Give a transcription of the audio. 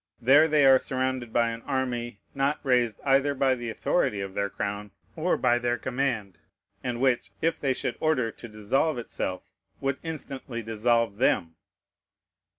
There they are surrounded by an army not raised either by the authority of their crown or by their command, and which, if they should order to dissolve itself, would instantly dissolve them.